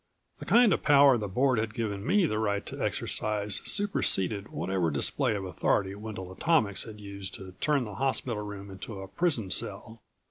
The kind of power the Board had given me the right to exercise superceded whatever display of authority Wendel Atomics had used to turn the hospital room into a prison cell.